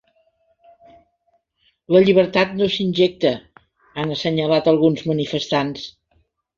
“La llibertat no s’injecta”, han assenyalat alguns manifestants.